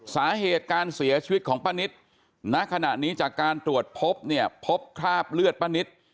สาเหตุการเสียชีวิตของป้านิตณขณะนี้จากการตรวจพบเนี่ยพบคราบเลือดป้านิต